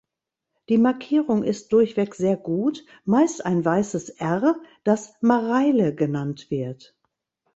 Die Markierung ist durchweg sehr gut, meist ein weißes R, das "Mareile" genannt wird.